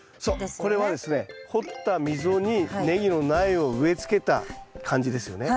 これはですね掘った溝にネギの苗を植えつけた感じですよね。